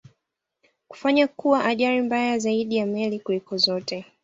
kufanya kuwa ajali mbaya zaidi ya meli kuliko zote